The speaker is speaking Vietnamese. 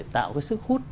tạo cái sức khuất